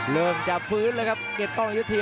เริ่มจะฟื้นเลยครับเกียรติป้องยุทเทียร์